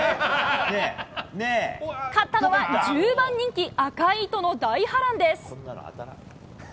勝ったのは、１０番人気アカイイトの大波乱です。